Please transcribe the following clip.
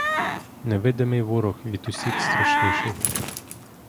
Невидимий ворог від усіх страшніший.